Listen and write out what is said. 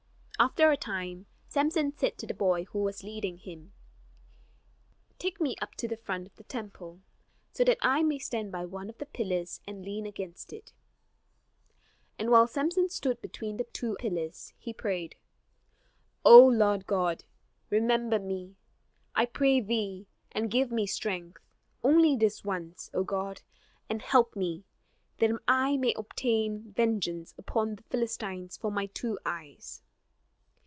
After a time, Samson said to the boy who was leading him: [Illustration: He bowed forward with all his might and pulled the pillars with him] "Take me up to the front of the temple, so that I may stand by one of the pillars, and lean against it." And while Samson stood between the two pillars, he prayed: "O Lord God, remember me, I pray thee, and give me strength, only this once, O God: and help me, that I may obtain vengeance upon the Philistines for my two eyes!"